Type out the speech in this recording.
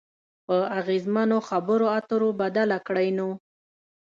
په اغیزمنو خبرو اترو بدله کړئ نو